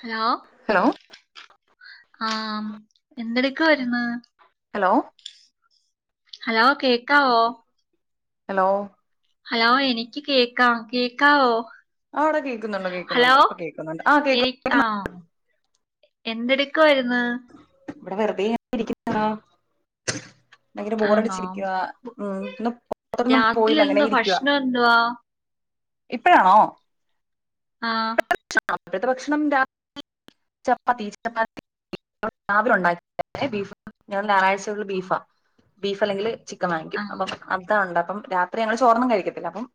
Hello hello ആ എന്തെടുക്കുവാര്ന്ന് hello hello കേക്കാവോ. ഹലോ ഹലോ എനിക്ക് കേക്കാം കേക്കാവോ. ആ വ്ടെ കേക്കുന്നുണ്ട് കേക്കുന്നുണ്ട് ഇപ്പ കേക്കുന്നുണ്ട് ആ കേക്കു ആഹ് എന്തെടുക്കു ആയിരുന്നു. ഇവിടെ വെറുതെങ്ങ് ഇരിക്കുന്നു. ഭയങ്കര ആണോ ബോറടിച്ചിരിക്കുകയാ ഉം ഇന്ന് പുറത്തോന്നും രാത്രി പോയില്ല അങ്ങനെ എന്തോ ഇരിക്കുവാ. ഭക്ഷണം എന്തുവാ ഇപ്പഴാണോ ആഹ് രാവിലെത്തെ ഭക്ഷണം രാത്രി ചപ്പാത്തി ചപ്പാത്തി. രാവിലെ ഉണ്ടാക്കിയതാണെ ബീഫ് ഞങ്ങള് ഞായറാഴ്ചകളിൽ ബീഫാ ബീഫ് അല്ലെങ്കിൽ ചിക്കൻ വാങ്ങിക്കും ആ അപ്പൊ അതാ ഉണ്ടാക്കും രാത്രി ഞങ്ങൾ ചോറൊന്നും കഴിക്കത്തില്ല അപ്പം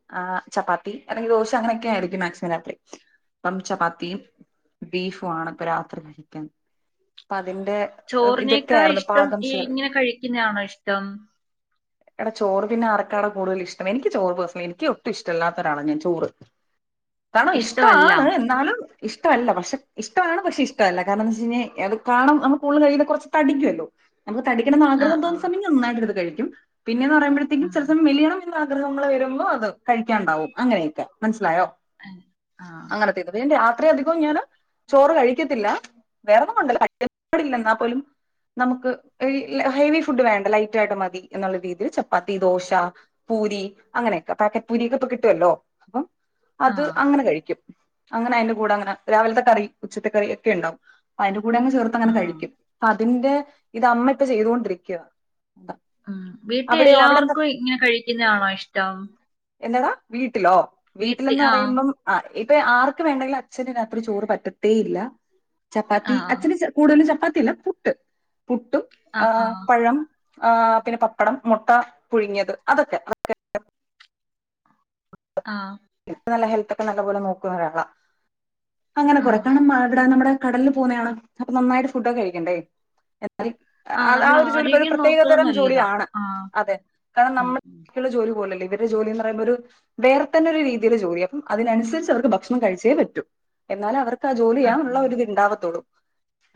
ചപ്പാത്തി അല്ലെങ്കിൽ ദോശ അങ്ങനെയൊക്കെ ആയിരിക്കും മാക്സിമം രാത്രി അപ്പം ചപ്പാത്തിയും ബീഫും ആണ് ഇപ്പ രാത്രി കഴിക്കാൻ അപ്പ അതിന്റെ ചോറിനേക്കായ് ഇതൊക്കെയായിരുന്നു ഇഷ്ടം പാകം ഈ ചെയ്യൽ ഇങ്ങനെ കഴിക്കുന്നയാണോ ഇഷ്ടം എടാ ചോറ് പിന്നെ ആർക്കാട കൂടുതൽ ഇഷ്ടം എനിക്ക് ചോറ് പേയ്സണലി എനിക്ക് ഒട്ടും ഇഷ്ടല്ലാത്ത ഒരാളാണ് ഞാൻ ചോറ് കാരണം ഇഷ്ടമല്ല ഇഷ്ടവാണ് എന്നാലും ഇഷ്ടമല്ല പക്ഷെ ഇഷ്ടമാണ് പക്ഷെ ഇഷ്ടല്ല കാരണം എന്ത വെച്ച് കഴിഞ്ഞാൽ അത് കാരണം നമ്മള് കൂടുതലും കഴിക്കുന്ന കുറച്ച് തടിക്കുവല്ലോ നമുക്ക് തടിക്കണന്ന് ആ ആഗ്രഹം ആ തോന്നുന്ന സമയം ഞാൻ നന്നായിട്ട് അത് കഴിക്കും പിന്നെയെന്ന് പറയുമ്പഴത്തേക്കും ഉം, ചില സമയം മെലിയണം ആഗ്രഹങ്ങൾ വരുമ്പോ അത് കഴിക്കാണ്ടാവും അങ്ങനെയൊക്കെ മനസ്സിലായോ ഉം, ആ അങ്ങന പൊതുവെ രാത്രി അധികം ഞാന് ചോറ് കഴിക്കത്തില്ല വേറെന്നും കൊണ്ടല്ല ടില്ല എന്നാ പോലും നമുക്ക് ഹെവി ഫുഡ് വേണ്ട ലൈറ്റ് ആയിട്ട് മതി എന്നുള്ള രീതിയിൽ ചപ്പാത്തി ദോശ പൂരി അങ്ങനെയൊക്കെ പാക്കറ്റ് പൂരി ഒക്കെ ഇപ്പൊ കിട്ടുവല്ലോ അപ്പം ആ അത് അങ്ങനെ കഴിക്കും അങ്ങനെ അയ്ന്റെ കൂടെ അങ്ങനെ രാവിലത്തെ കറി ഉച്ചത്തെ കറി ഒക്കെ ഉണ്ടാവും അതിന്റെ കൂടങ്ങ് ആ ചേർത്തങ്ങനെ കഴിക്കും അപ്പ അതിന്റെ ഇത് അമ്മ ഇപ്പ ചെയ്തോണ്ടിരിക്കുവ വീട്ടിൽ എല്ലാവർക്കും ഇങ്ങനെ കഴിക്കുന്നതാണോ ഇഷ്ടം എന്താടാ വീട്ടിലോ വീട്ടിൽ വീട്ടിലന്ന് ആ പറയുമ്പം ആഹ് ഇപ്പൊ ആർക്ക് വേണ്ടങ്കിലും അച്ഛന് രാത്രി ചോറ് പറ്റത്തേ ഇല്ല ആ ചപ്പാത്തി ഇപ്പം കൂടുതലും ചപ്പാത്തിഅല്ല പുട്ട് പുട്ടും ആ ആ ആഹ് പഴം ആഹ് പിന്നെ പപ്പടം മുട്ട പുഴുങ്ങിയത് അതൊക്കെ ആഹ് ഇപ്പ നല്ല ഹെൽത്ത് ഒക്കെ നല്ല പോലെ നോക്കുന്നഒരാള അങ്ങനെ ആ കുറേ കാരണം ഇവിടെ നമ്മുടെ കടലിൽ പോകുന്നതാണ് അപ്പൊ നന്നായിട്ട് ഫുഡൊക്കെ കഴിക്കണ്ടേ അത് ആ നമ്മൾ ഒരു ജോലി ഒരു ആരോഗ്യം നോക്കുന്നത് പ്രത്യേകതരം നല്ലതാ ജോലിയാണ് ആ അതെ കാരണം ഉം ഉം. നമ്മൾക്കുള്ള ജോലി പോലല്ല ഇവര് ജോലിന്ന് പറയുമ്പോ ഒരു വേറെ തന്ന ഒരു രീതിയില് ജോലിയാ അപ്പം അതിനനുസരിച്ച് അവർക്ക് ഭക്ഷണം കഴിച്ചേ പറ്റു എന്നാലെ അവർക്ക് ആ ജോലി ചെയ്യാനുള്ള ഒരിത് ഉണ്ടാവത്തോള്ളൂ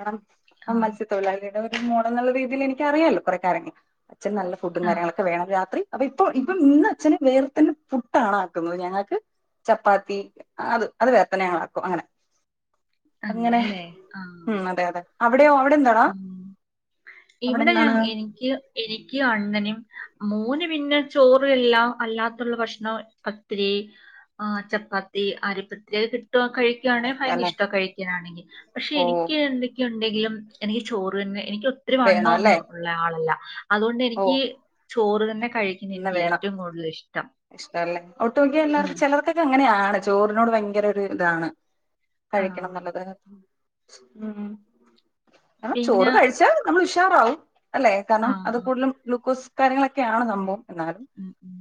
കാരണം ആ മറ്റ് തൊഴിലാളിയുടെ ഒരു മോള് എന്നുള്ള രീതിയിൽ എനിക്കറിയാല്ലോ കുറേ കാര്യങ്ങള് അച്ഛൻ നല്ല ഫുഡും ആ കാര്യങ്ങളൊക്കെ വേണം രാത്രി അപ്പൊ ഇപ്പൊ ഇപ്പം ഇന്ന് അച്ഛന് വേർത്തന പുട്ട് ആണ് ആക്കുന്നത് ഞങ്ങൾക്ക് ചപ്പാത്തി അത് അത് വേറെത്തന്നെ ഞങ്ങള് ആക്കും അങ്ങനെ അങ്ങനെ അങ്ങനെയല്ലേ ആ ഉം അതെ അതെ അവിടെയോ [unintelligible] ഉം അവിടെ ഇവിടെ എന്താണ് എനിക്ക് എനിക്കും അണ്ണനും മോന് പിന്നെ ചോറ് അല്ലാ അല്ലാത്തുള്ള ഭക്ഷണം പത്തിരി ആ ചപ്പാത്തി അരിപ്പത്തിരി കിട്ടുവാ കഴിക്കുകയാണെ അങ്ങനെയൊക്കെ ഭയങ്കര അല്ലെ ഇഷ്ട കഴിക്കാനാണെങ്കിൽ പക്ഷെ ഓ എനിക്ക് എന്തൊക്കെയുണ്ടെങ്കിലും എനിക്ക് ചോറ് തന്നെ എനിക്ക് ഒത്തിരി വണ്ണം വേണം അല്ലേ ഒന്നും ഉള്ള ആളല്ല അതുകൊണ്ട് എനിക്ക് ചോറ് തന്നെ കഴി ന്നെ വേണം ഇഷ്ടല്ല ഒട്ട് മിക്ക ഉം. എല്ലാർക്കും ചിലർക്കെക്ക് ഇത് അങ്ങനെയാണ് ചോറിനോട് ഭയങ്കര ഒരു ഇതാണ് ആ കഴിക്കണംന്നുള്ളത് ഉം ആഹ് ചോറ് പിന്നെ കഴിച്ചാ നമ്മള് ഉഷാറാവും അല്ലെ ആ കാരണം അത് കൂടുതലും ഗ്ലൂക്കോസ് കാര്യങ്ങളൊക്കെ ആണ് സംഭവം എന്നാലും ഉം ഉം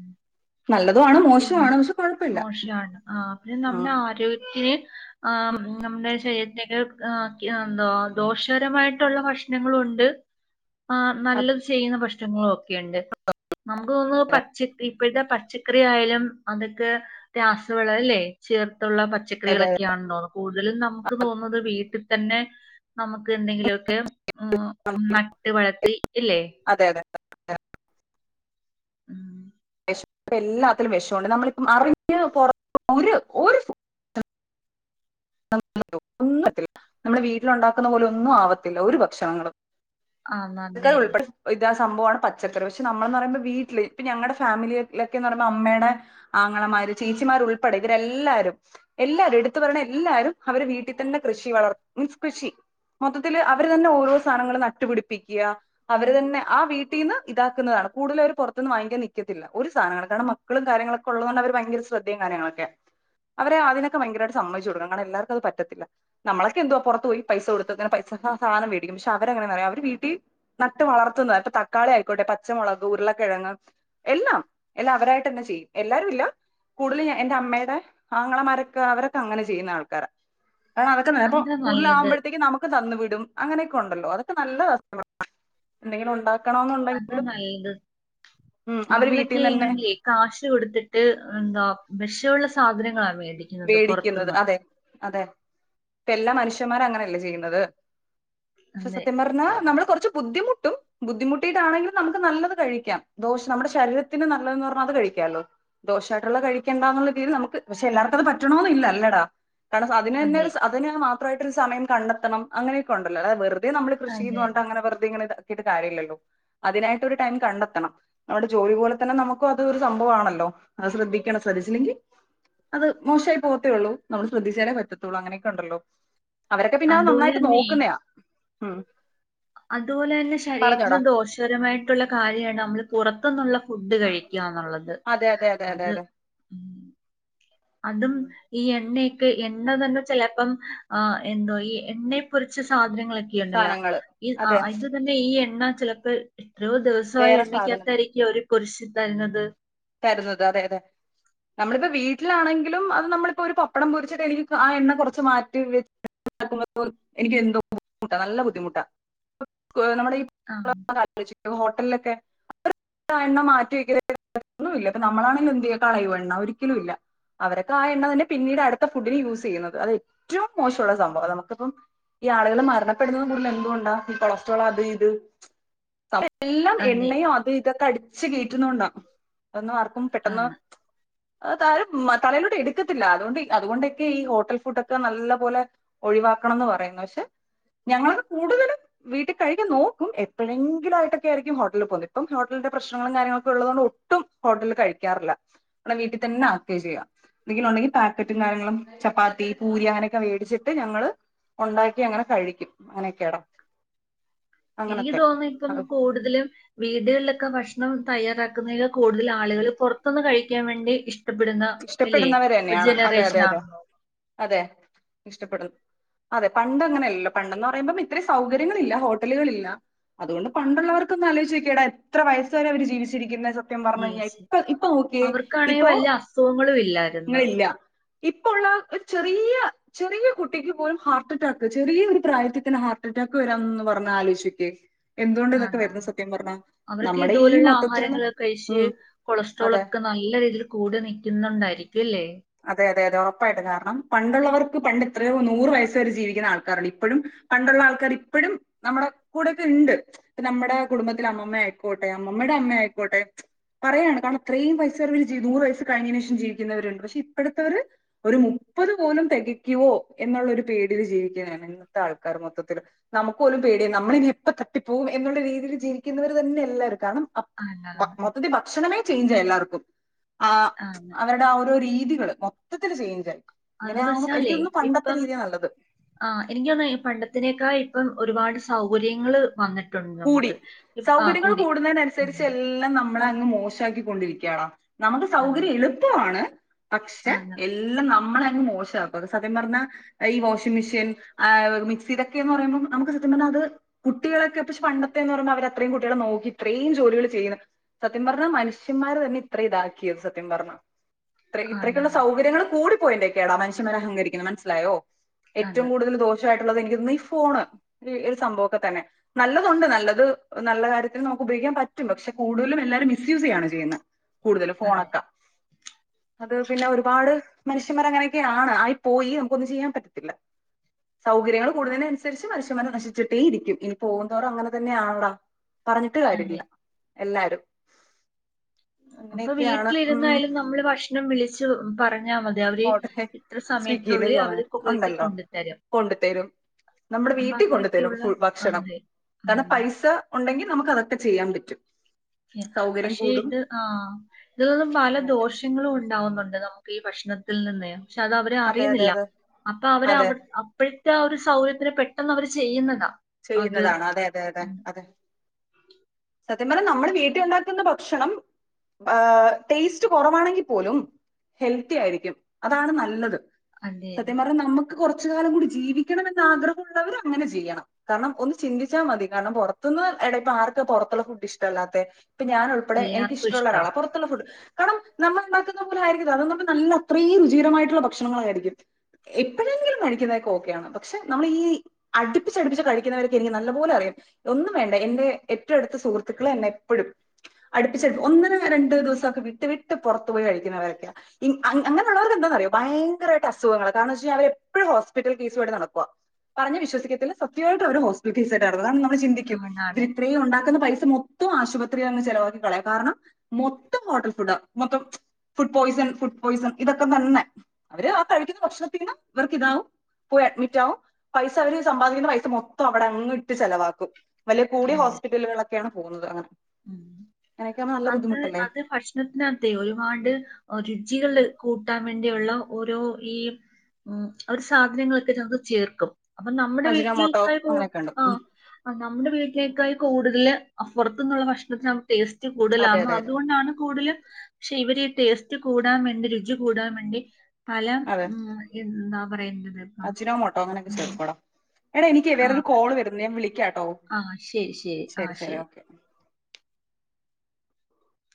നല്ലതും ആണ് മോശവും ആണ് പക്ഷേ കൊഴപ്പമില്ല ആഹ് പിന്നെ നമ്മുടെ ആരോഗ്യത്തിന് ആഹ് നമ്മുടെ ശരീരത്തിന് ക്ക് എന്താ ദോഷകരമായിട്ടുള്ള ഭക്ഷണങ്ങളുണ്ട് ആഹ് അതെ നല്ലത് ചെയ്യുന്ന ഭക്ഷ്ണങ്ങളും ഒക്കെയുണ്ട് നമുക്ക് തോന്നുന്നു പച്ചക്കറി ഇപ്പഴ്‌ത്തെ പച്ചക്കറി ആയാലും അതൊക്കെ രാസവളം അല്ലേ ചേർത്തുള്ള പ അതെ ച്ചക്കറികളൊക്കെയണ് [unintelligible] കൂടുതലും നമുക്ക് തോന്നുന്നത് വീട്ടിൽ തന്നെ നമുക്ക് എന്തെങ്കിലുമൊക്കെ ഉം നട്ട് വളർത്തി ഇല്ലേ അതെ അതെ [unintelligible] ഉം ശ് എല്ലാത്തിലും വെഷോണ്ട് നമ്മളിപ്പം അറിഞ്ഞ് പൊറ ഒര് ഓര് [unintelligible] ഒന്നു എത്തില് നമ്മുടെ വീട്ടിലുണ്ടാക്കുന്ന പോലെ ഒന്നും ആവത്തില്ല ഒരു ഭക്ഷണങ്ങളും ആ [unintelligible] നല്ലത് ഉൾപ്പെട് ഇതാ സംഭവാണ് പച്ചക്കറി പക്ഷേ നമ്മളന്ന് പറയുമ്പോ വീട്ടില് ഇപ്പൊ ഞങ്ങടെ ഫാമിലിയിലൊക്കെന്ന് പറയുമ്പോ അമ്മേടെ ആങ്ങളമാര് ചേച്ചിമാരു ഉൾപ്പെടെ ഇവരെല്ലാരും. എല്ലാരും എടുത്തു പറയ്ണ എല്ലാരും അവര് വീട്ടിതന്നെ കൃഷി വളർ [unintelligible] കൃഷി. മൊത്തത്തില് അവര് തന്നെ ഓരോ സാധനങ്ങള് നട്ടുപിടിപ്പിക്യാ. അവര് തന്നെ ആ വീട്ടിന്ന് ഇതാക്കുന്നതാണ് കൂടുതല് അവര് പൊർത്ത്ന്ന് വാങ്ങിക്കാൻ നിക്കത്തില്ല ഒരു സാധനങ്ങള് കാരണം മ ക്കളും കാര്ങ്ങളക്കെ ഉള്ളതൊണ്ട് അവര് ഭയങ്കര ശ്രദ്ധയും കാര്യങ്ങളൊക്കെ. അവരെ അതിനൊക്കെ ഭയങ്കരമായിട്ട് സമ്മതിച്ച് കൊടുക്കണം കാരണം എല്ലർക്കും അത് പറ്റത്തില്ല. നമ്മളൊക്ക എന്തുവ പുറത്ത് പോയി പൈസ കൊടുത്ത് ക്കെ ഇങ്ങനെ പൈസഹാ സാധനമേടിക്കും പക്ഷെ അവരെങ്ങനെഅറിയോ അവര് വീ ട്ടി നട്ട് വളർത്തുന്നത് പ്പൊ തക്കാളി ആയിക്കോട്ടെ പച്ചമുളക്, ഉരുളക്കിഴങ്ങ്. എല്ലാം എല്ലാ അവരായിട്ട് തന്നെ ചെയ്യും എല്ലാരും ഇല്ല. കൂടുതൽ എന്റെ അമ്മേടെ ആങ്ങളമാരൊക്കെ അവരൊക്കെ അങ്ങനെ ചെയ്യുന്ന ആൾക്കാരാ. ആഹ് അതൊക്കന്നെ അപ്പൊ അതാ നല്ലത് കൂടുതാലകുമ്പോഴത്തേക്കും നമുക്ക് തന്നു വിടും അങ്ങനെയൊക്കെ ഉണ്ടല്ലോ അതൊക്കെ നല്ലതാ [unintelligible] എന്തെങ്കിലും ഉണ്ടാ ക്കണം അതാ ഉണ്ടെങ്കിലും നല്ലത് ഉം അവര് നമ്മളൊക്കെ വീട്ടിന്നന്നെ ആണെങ്കിലേ കാശ് കൊടുത്തിട്ട് എന്താ വെശൊള്ള സാധനങ്ങളാ വേടി വേടിക്കുന്നത് അതെ അതെ പ്പേ എല്ലാ മനുഷ്യന്മാരങ്ങനെയല്ലേ ചെയ്യുന്നത്. ക്ഷെ അതെ സത്യം പറഞ്ഞാൽ നമ്മള് കുറച്ച് ബുദ്ധിമുട് ട്ടും ബുദ്ധിമുട്ടിട്ടാണെങ്കിലും നമുക്ക് നല്ലത് കഴിക്കാം ദോഷ നമ്മുടെ ശരീരത്തിന് നല്ലതെന്ന് പറഞ്ഞാണ്ട് അത് കഴിക്കാല്ലോ. ദോഷയിട്ടുള്ളത് കഴിക്കേണ്ടന്നുള്ള രീതി നമക്ക് പക്ഷെ എല്ലാർ പറ്റുണൂന്നില്ല ല്ലടാ കാരണം അതിനന്നേ അതെ [unintelligible] അതിന് മാത്രമായിട്ട് ഒരു സമയം കണ്ടെത്തണം അങ്ങനെയൊക്കെണ്ടല്ലോ അല്ലാതെ വെറ്തെ നമ്മള് കൃഷിന്ന് അതെ പറഞ്ഞ്ട്ടങ്ങനെ വെറ്തെ ഇങ്ങനെ കീട്ട് കാര്യമില്ലല്ലോ അതിനായിട്ട് ഒരു ടൈം കണ്ടെത്തണം. അവരുടെ ജോലി പോലെ തന്നെ നമുക്കു അത് ഒരു സംഭവമാണല്ലോ അത് ശ്രദ്ധിക്കണം ശ്രദ്ധിച്ചില്ലെങ്കി അത് മോശായി പോകത്തേ ഒള്ളൂ നമ്മള് ശ്രദ്ധിച്ചാലേ പറ്റത്തുള്ളൂ അങ്ങനെയൊക്കെ ഉണ്ടല്ലോ. അവരൊക്കെ പിന്നെ അത്‌ അതുപോലെ നന്നായിട്ട് നോക്കുന്നയാ ഉം. അതുപോലെന്നെ പറഞ്ഞോടാ ശരീരത്തിന് ദോഷ പരമായിട്ടുള്ള കാര്യമാണ് നമ്മള് പുറത്തു നിന്നുള്ള ഫുഡ് കഴിക്യാ എന്നുള്ളത്. അതെ അതെ അതെ അതെ അത് അതെ. അതും ഉം ഈ എണ്ണയൊക്കെ എണ്ണ തന്നെ ചെലെപ്പം ആ എന്തോ ഈ എണ്ണയെപൊരിച്ച സാധനങ്ങള ണ്ടല്ലോ സാനങ്ങള് ഇ ആ അതെ അത് തന്നെ ഈ എണ്ണ ചിലപ്പോ എത്രയോ ദിവസ ആ വേറെ സാധനം എണ്ണയ്ക്കകത്തായിരിക്കും അവര് കൊരിശി തരുന്നത്. തരുന്നത് അതെ അതെ. നമ്മളിപ്പ വീട്ടിലാണെങ്കിലും അത് നമ്മളിപ്പോ ഒരു പപ്പടം പൊരിച്ചിട്ട് എനിക്ക് ആ എണ്ണ കൊറച്ച് മാറ്റിവെ പോലും എനിക്ക് എന്തോ ബുദ്ധിമുട്ട നല്ല ബുദ്ധിമുട്ടാ നമ്മുട ഈ ആ ഹോട്ടലിലൊക്കെ എണ്ണം മാറ്റി വെക്ക ഒന്നും ഇല്ല ഇപ്പ നമ്മളാണെങ്കിലും എന്തു ചെയ്യേ കളയുേവേ എണ്ണ ഒരിക്കലും ഇല്ല. അവരൊക്കെ ആ എണ്ണ തന്നെ പിന്നീട് അടുത്ത ഫുഡിന് യൂസ് എയ്യുന്നത് അത് ഏറ്റവും മോശമുള്ള സംഭവ നമുക്കിപ്പം ഈ ആളുകൾ മരണപ്പെടുന്ന കൂടുതൽ എന്തുകൊണ്ട ഈ കൊളസ്ട്രോൾ അത് ഇത്. എല്ലാം അതെ എണ്ണയു അത് ഇതൊക്കെ അടിച്ചച്ച് കെയറ്റുന്നോണ്ടാ അതെന്ന് ആർക്കും ആണ് പെട്ടെന്ന്. താരും ഉം തറയിലോട്ട് എടുക്കത്തില്ല അതോണ്ട് അതുകൊണ്ടൊക്കെ ഈ ഹോട്ടൽ ഫുഡ് ഒക്കെ നല്ല പോലെ ഒഴിവാക്കണം എന്ന് പറയുന്നു ഞങ്ങളത് കൂടുതലും. വീട്ടികഴിക്കാകി നോക്കും എപ്പളെങ്കിലയിട്ടൊക്കൊയിരിക്കും ഹോട്ടലിൽ പോകുന്ന ഇപ്പം ഹോട്ടലിന്റെ പ്രശ്നങ്ങളും കാര്യങ്ങളൊക്കെ ഉള്ളത്ണ്ട് ട്ടും ഹോട്ടൽ കഴിക്കാറില്ല നമ്മടെ വീട്ടിൽ തന്നെ ആക്കെ ചെയ്യാ. എന്തെങ്കിലും ഉണ്ടെങ്കിൽ പാക്കറ്റും കാര്യങ്ങളും ചപ്പാത്തി പൂരി അങ്ങനെയൊക്കെ മേടിച്ചിട്ട് ഞങ്ങള് ഉണ്ടാക്കി അങ്ങനെ കഴിക്കും അങ്ങനെയൊക്കെയാടാ എനിക്ക് അങ്ങനത്തെ. തോന്ന്ന്നു ഇപ്പൊ കൂടുതലും വീടുകളിലൊക്കെ ഭക്ഷണം തയ്യാറാക്കുന്നതിൽ കൂടുതൽ ആളുകൾ പുറത്തുന്ന് കഴിക്കാൻ വേണ്ടി ഇഷ്ട ഇഷ്ടപ്പെടുന്ന അല്ലെ ഇഷ്ടപ്പെടുന്നവര് ഒരു തന്നെയാണ്. അതെ അതെ ജനറേഷനാ അതെ അതെ ഇഷ്ടപ്പെടു അതെ പണ്ട് അങ്ങനെയല്ലല്ലോ പണ്ടന്ന് പറയുമ്പം ഇത്ര സൗകര്യങ്ങളില്ല ഹോട്ടലുകളില്ല അതുകൊണ്ട് പണ്ടുള്ളവർക്കൊന്നു ആലോയിചോക്കേടാ എത്ര വയസ്സ് വരെ അവര് ജീവിച്ചിരിക്കുന്നെ സത്യം പറഞ് കഴിഞ്ഞാൽ ഇപ്പ ഇപ്പ നോക്കിയേ അവർക്കാണെങ്കിൽ ഇപ്പൊ വലിയ അസുഖങ്ങളും ഇല്ല ങ്ങളില്ല ഇപ്പൊള്ള ഒരു ചെറിയ ചെറിയ കുട്ടിക്ക് പോലും ഹാർട്ട് അറ്റാക്ക് ചെറിയ ഒരു പ്രായത്തിൽ തന്നെ ഹാർട്ട് അറ്റാക്ക് വരാന്നൊന്ന് പറഞ്ഞ ആലോയ്ചോക്കിയേ എന്തുകൊണ്ട് ഇതൊക്കെ ആണ് വരുന്നു സത്യം പറഞ്ഞാ അവർക്ക് നമ്മുടെ ഈ ഇതുപോലുള്ള മൊത്തത്തിലാണ് ആഹാരങ്ങളൊക്കെ കഴിച്ച് ഉം കൊളസ്ട്രോൾ അതെ ഒക്കെ നല്ല രീതിയിൽ കൂടെ നിക്കുന്നുണ്ടായിരിക്കും അല്ലേ അതെ അതെ അതെ ഉറപ്പായിട്ടും കാരണം പണ്ടുള്ളവർക്ക് പണ്ട് ഇത്രയോ നൂറ് വയസ് വരെ ജീവിക്ക്ണ ആൾക്കാരാണ് ഇപ്പഴും പണ്ടുള്ള ആൾക്കാർ ഇപ്പഴും നമ്മുടെ കൂടെയൊക്കെ ഇണ്ട് ഇപ്പ നമ്മടെ കുടുംബത്തിലെ അമ്മൂമ്മ ആയിക്കോട്ടെ അമ്മമ്മ യുടെ അമ്മ ആയിക്കോട്ടെ പറയാണ് കാരണം ഇത്രയും വയസ്സ് വരെ അവർ നൂറ് വയസ് കഴിഞ്ഞതിന് ശേഷം ജീവിക്കുന്നവരുണ്ട് പക്ഷെ ഇപ്പോഴത്തവര് ഒരു മുപ്പത് പോലും തികയ്ക്കുവോ എന്നുള്ളൊരു പേടിയിൽ ജീവിക്കുന്നാണ് ഇന്നത്തെ ആൾക്കാർ മൊത്തത്തില് നമുക്ക് പോലും പേടിയ നമ്മള് ഇനി എപ്പ തട്ടിപ്പോകും എന്നുള്ള രീതിയിൽ ജീവിക്കുന്നവര് തന്നെ എല്ലാരും കാരണം അ അയന്നാന്ന് മൊത്തത്തിൽ ഭക്ഷണമേ ചേഞ്ച് എല്ലാർക്കും ആഹ് ആന്ന് ഓരോ രീതികള് മൊത്തത്തിൽ ചേഞ്ച് ആയി ഇങ്ങനെ അതെന്ന് ആവുബോ വെച്ചാലേ എനിക്കോന്ന്ന്നു പണ്ടത്തെ ഇപ്പം രീതിയ നല്ലത് ആ എനിക്ക് തോന്ന്ന്നു പണ്ടത്തിനേക്കാ ഇപ്പം ഒരുപാട് സൗകര്യങ്ങൾ വന്നി കൂടി സൗകര്യങ്ങൾ ഉം, കൂടുന്നതിനനുസരിച്ച് എല്ലാം നമ്മ നമ്മളെ ങ് മോശാക്കിക്കൊണ്ടിരിക്കാ ടാ നമുക്ക് അതെ സൗകര്യം എളുപ്പമാണ് പക്ഷെ ആണ് എല്ലാ എല്ലാം നമ്മളെ അങ്ങ് മോശാക്കും സത്യം പറഞ്ഞാ ഈ വാഷിംഗ് മെഷീൻ ആഹ് മിക്സി ഇതൊക്കെ എന്ന് പറയുമ്പോം നമുക്ക് സത്യം പറഞ്ഞ അത് കുട്ടിയളൊക്കെ പക്ഷെ പണ്ടത്തെന്ന് പറയുമ്പോ അവര് അത്രയും കുട്ടികളേം നോക്കി ഇത്രയും ജോലികൾ ചെയ്യിണ സത്യം പറഞ്ഞ മനുഷ്യന്മാര് തന്നെ ഇത്രയും ഇതാക്കിയത് സത്യം പറഞ്ഞ ഇത്ര ഇത്രക്കുള്ള ആണ് സൗകര്യങ്ങള് കൂടി പോയിന്റെക്കെടാ മനുഷ്യന്മാർ അഹങ്കരിക്ക്ണെ മനസ്സിലായോ ആണ് ഏറ്റവും കൂടുതൽ ദോഷ ഷായിട്ടുള്ളത് എനിക്ക് തോന്നുന്നു ഈ ഫോണ് ഒരു സംഭവംക്കെ തന്നെ നല്ലതുണ്ട് നല്ലത് നല്ല കാര്യത്തിൽ നമുക്ക് ഉപയോഗിക്കാൻ പറ്റും പക്ഷെ കൂടുതലും എല്ലാവരും മിസ്സ്‌ യൂസ് ചെയ്യാണ് ചെയ്യുന്നെ കൂടുതലും അതെ ഫോണൊക്കാ അത് പിന്നെ ഒരുപാട് മനുഷ്യന്മാർ അങ്ങനെയൊക്കെയാണ് ആയി പോയി നമുക്ക് ഒന്നും ചെയ്യാൻ പറ്റത്തില്ല സൗകര്യങ്ങൾ കൂടുന്നതിന് അനുസരിച്ച് മനുഷ്യന്മാർ നശിച്ചിട്ടേ ഇരിക്കും ഇനി പോവുംന്തോറും അങ്ങനെ തന്നെയാണടാ പറഞ്ഞിട്ട് അതെ കാര്യല്ല എല്ലാരും ഇപ്പൊ അങ്ങനെയൊക്കെയാണ് ഉം വീട്ടിലിരുന്നായാലും നമ്മള് ഭക്ഷണം വിളിച്ച് പറഞ്ഞാൽ മതി അത് അവര് ഓർഡർ ഇത്ര സ്വിഗ്ഗിയില് സമയത്തിനുള്ളിൽ അവർ സൊമാറ്റോ വീട്ടിൽ ഉണ്ടല്ലോ കൊണ്ട് തരും കൊണ്ടുതരും നമ്മുടെ വീട്ടിൽ കൊണ്ടു തരും ഭക്ഷണം ഉം കാരണം പൈസ ഉണ്ടെങ്കിൽ നമുക്ക് അതൊക്കെ ചെയ്യാൻ പറ്റും സൗകര്യം പക്ഷെ കൂടും ഇത് ആഹ് ഇത് പല അങ്ങനെയൊക്കെ ദോഷം ഷങ്ങളും ഉണ്ടാവുന്നുണ്ട് നമുക്ക് ഈ ഭക്ഷണത്തിൽ നിന്ന് പക്ഷെ അത് അവര് അതെ അതെ അറിയുന്നില്ല അതെ അപ്പൊ അവര് അതെ അവിടെ അപ്പോഴത്തെ ആ ഒരു സൗകര്യത്തിന് പെട്ടെന്ന് അവര് ചെയ്യുന്നതാ അത് ചെയ്യുന്നതാണ് അതെ അതെ അതെ ഉം. അതെ സത്യം പറഞ്ഞ നമ്മുടെ വീട്ടിലുണ്ടാക്കുന്ന ഭക്ഷണം ടേസ്റ്റ് കുറവാണെങ്കിൽ പോലും ഹെൽത്തി ആയിരിക്കും അതാണ് നല്ലത് അതെ സത്യം അതെ പറഞ്ഞ നമക്ക് കുറച്ചു കാലം കൂടി ജീവിക്കണമെന്ന് ആഗ്രഹമുള്ളവർ അങ്ങനെ ചെയ്യണം കാരണം ഒന്ന് ചിന്തിച്ചാൽ മതി കാരണം പുറത്തുന്ന് എടെ ഇപ്പം ആർ പുറത്തുള്ള ഫുഡ് ഇഷ്ടല്ലാെത്തെ ഇപ്പ ഞൻ ഉൾപ്പെടെ എനിക്ക് എല്ലാർക്കും ഇഷ്ടുള്ള ഇഷ്ട ഒരാളാണ് പുറത്തുള്ള ഫുഡ് കാരണം നമ്മൾ ഉണ്ടാക്കുന്ന പോലെ ആയിരിക്കും അല്ല അത് നല്ല അത്രയും രുചികരമായിട്ടുള്ള ഭക്ഷണങ്ങളായിരിക്കും എപ്പോഴെങ്കിലും മേടിക്കുന്നതേക്കെ ഓക്കെയാണ് പക്ഷെ നമ്മള് ഈ അടുപ്പിച്ചടിപ്പിച്ച് കഴിക്കുന്നവരക്ക് എനിക്ക് നല്ലപോലെ അറിയാം ഒന്നും വേണ്ട എന്റെ ഏറ്റവും അടുത്ത സുഹൃത്തുക്കൾ എന്നെ എപ്പോഴും അടുപ്പിച്ചടുപ്പി ഒന്നിന രണ്ടു ദിവസം ഒക്കെ വിട്ട് വിട്ട് പുറത്തു പോയി കഴിക്കുന്നവരൊക്കെയാ അങ്ങനെയുള്ളവർക്ക് എന്താന്ന്റിയ ഭയങ്കരട്ട് അസുഖങ്ങൾ കാരണം എന്തന്ന് വെച്ച് കഴിഞാൽ അവര് എപ്പഴും ഹോസ്പിറ്റൽ കേസ് ആയിട്ട് നടക്ക പറഞ്ഞ വിശ്സിക്കല്ല സത്യമായിട്ട് അവരു ഹോസ്പറ്റൽ കേസ് ആയിട്ട് നടക്ക കാരണം നമ്മള് ചിന്തിക്കും അതുകൊണ്ടാണ് ഇ ഉണ്ടാക്കുന്ന പൈസ മൊത്തം ആശുപത്രിയിൽ അങ് ചെിലവാക്കി കളയാം കാരണം മൊത്തം ഹോട്ടൽ ഫുഡ് മൊത്തം ഫുഡ് പോയിസൺ ഫുഡ് പോയ്സൺ ഇതൊക്കെ തന്നെ അവര് ആ കഴിക്കുന്ന ഭക്ഷണത്തിന ഇവർക്ക് ഇതാവും പോയി അഡ്മിറ്റ് ആകും പൈസ അവര് സമ്പാദിക്കുന്ന പൈസ മൊത്തം അവിടെങ് ഇട്ട് ചിലവാക്കും കൂടിയ അതെ ഹോസ്പിറ്റലുകളൊക്കെയാണ് പോകുന്നത് അങ്ങനെ ഉം അങ്ങനൊക്കെ ആകുമ്പോ നല്ല ബുദ്ധിമുട്ടല്ലേ [unintelligible] ത്തിനകത്തെ ഒരുപാട് രുചികൾ കൂട്ടാൻ വേണ്ടിയുള്ള ഓരോ ഈ ഉം അവര് സാധനങ്ങളൊക്കെ ഞങ്ങക്ക് ചേർക്കും അപ്പൊ നമ്മുടെ അജിനോമോട്ടോ വീട്ടിലക്കായ പോ അങ്ങനെയൊക്കെ ഉണ്ട് ഉം ആഹ് നമ്മുടെ വീട്ടിലേക്കായി കൂടുതല് അപ്പുറത്തു നിന്നുള്ള ഭക്ഷണത്തിന് ടേസ്റ്റ് അതെ കൂടുതലാകോ അതെ അതെ അതുകൊണ്ടാണ് കൂടുതലും പക്ഷെ ഇവര് ടേസ്റ്റ് കൂടാൻ വേണ്ടി രുചി കൂടാൻ വേണ്ടി പല ഉം എന്നാ പറയേണ്ടത് അജ്നാമോട്ടോ അങ്ങനൊക്കെ ചേർക്കോടാം എടാ എനിക്ക് ആഹ് വേറൊരു കോള് വരുന്നു ഞാൻ വിളിക്കാട്ടോ ആഹ് ശരി ശരി ആ ശരി ഓക്കെ